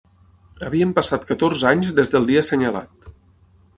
Havien passat catorze anys, des de el dia senyalat